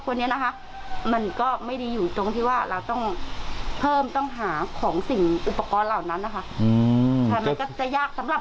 แต่คนอื่นอาจจะง่าย